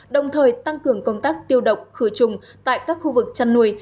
đồng thời tăng cường công tác tiêu độc khử trùng tại các khu vực chăn nuôi